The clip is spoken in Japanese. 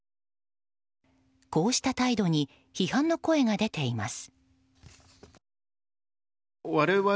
こうした態度に批判の声が出ています。